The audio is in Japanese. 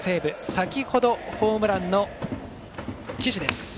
先ほどホームランの岸です。